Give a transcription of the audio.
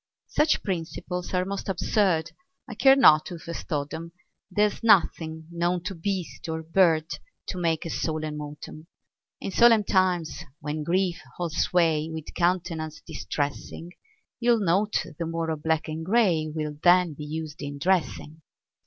Such principles are most absurd, I care not who first taught 'em; There's nothing known to beast or bird To make a solemn autumn. In solemn times, when grief holds sway With countenance distressing, You'll note the more of black and gray Will then be used in dressing.